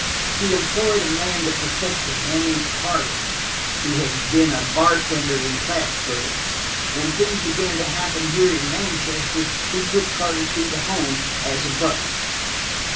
"He employed a man to protect him, a man named Carter, who had been a bartender in Plattsburg. When things began to happen here in Manchester, he took Carter to the home as a butler.